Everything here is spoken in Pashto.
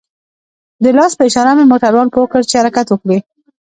د لاس په اشاره مې موټروان پوه كړ چې حركت وكړي.